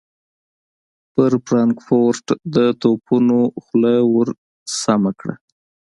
پر فرانکفورټ د توپونو خوله ور سمهکړه.